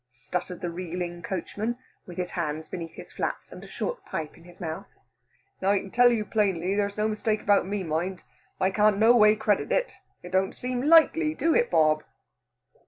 stuttered the reeling coachman, with his hands beneath his flaps and a short pipe in his mouth, "Now I tell you plainly, there's no mistake about me mind, I can't noway credit it. It don't seem likely, do it, Bob?"